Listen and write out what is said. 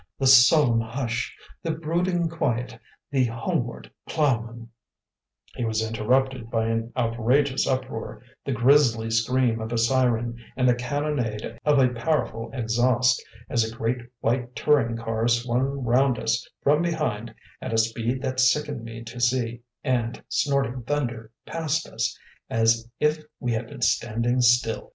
The solemn hush, the brooding quiet, the homeward ploughman '" He was interrupted by an outrageous uproar, the grisly scream of a siren and the cannonade of a powerful exhaust, as a great white touring car swung round us from behind at a speed that sickened me to see, and, snorting thunder, passed us "as if we had been standing still."